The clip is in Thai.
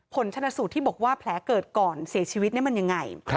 ผลชนสูตรที่บอกว่าแผลเกิดก่อนเสียชีวิตมันยังไง